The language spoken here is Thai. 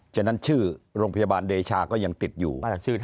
ฉะนั้นชื่อโรงพยาบาลเดชาก็ยังติดอยู่